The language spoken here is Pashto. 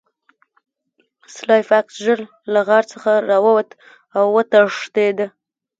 سلای فاکس ژر له غار څخه راووت او وتښتید